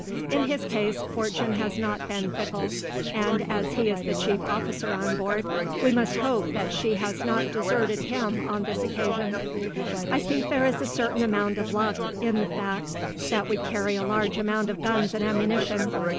In his case, fortune has not been fickle, and, as he is the chief officer on board, we must hope that she has not deserted him on this occasion. I think there is a certain amount of luck in the fact that we carry a large amount of guns and ammunition.